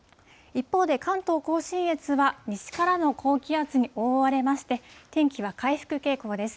一方で、関東甲信越は西からの高気圧に覆われまして、天気は回復傾向です。